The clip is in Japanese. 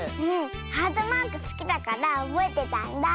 ハートマークすきだからおぼえてたんだあ。